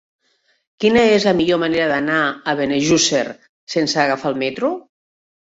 Quina és la millor manera d'anar a Benejússer sense agafar el metro?